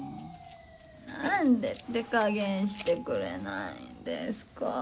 何で手加減してくれないんですか？